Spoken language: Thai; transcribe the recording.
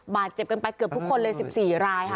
บาดเจ็บกันไปเกือบทุกคนเลย๑๔รายค่ะ